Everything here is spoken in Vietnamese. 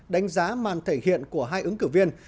đánh giá màn thể hiện của hai ứng cử viên